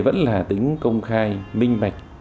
vẫn là tính công khai minh bạch